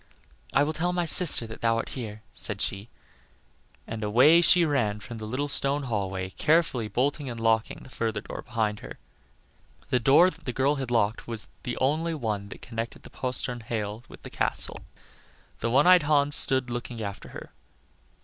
"I will tell my sister that thou art here," said she, and away she ran from the little stone hallway, carefully bolting and locking the further door behind her. The door that the girl had locked was the only one that connected the postern hail with the castle. The one eyed Hans stood looking after her.